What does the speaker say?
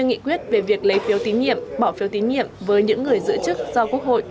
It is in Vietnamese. nghị quyết về việc lấy phiếu tín nhiệm bỏ phiếu tín nhiệm với những người giữ chức do quốc hội